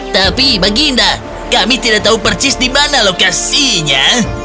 tapi baginda kami tidak tahu persis di mana lokasinya